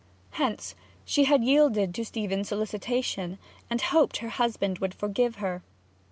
Hence she had yielded to Stephen's solicitation, and hoped her husband would forgive her.